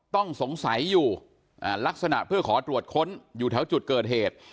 ต้องสงสัยอยู่ลักษณะเพื่อขอตรวจค้นอยู่แถวจุดเกิดเหตุ